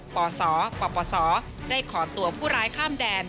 ปศปศได้ขอตัวผู้ร้ายข้ามแดน